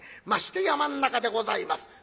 まして山ん中でございます。